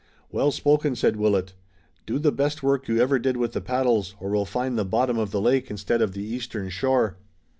"Well spoken!" said Willet. "Do the best work you ever did with the paddles, or we'll find the bottom of the lake instead of the eastern shore!"